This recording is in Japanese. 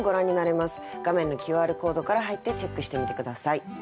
画面のＱＲコードから入ってチェックしてみて下さい。